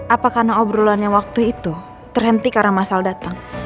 apa karena obrolannya waktu itu terhenti karena masal datang